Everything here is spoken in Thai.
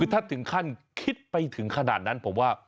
ถ้าถึงขั้นคิดไปถึงขนาดนั้นผมว่า